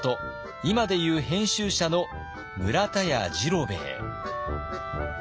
今でいう編集者の村田屋治郎兵衛。